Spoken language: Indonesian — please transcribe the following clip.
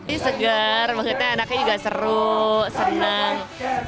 ini segar maksudnya anaknya juga seru senang